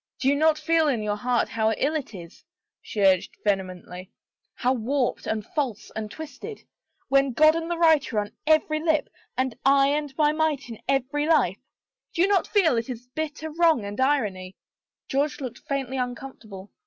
" Do you not feel in your heart how ill it is," she urged vehemently, " how warped and false and twisted ? When God and the Right are on every lip and I and my Might in every life? Do you not feel its bitter wrong and irony?" 62 HOPE RENEWED George looked faintly uncomfortable.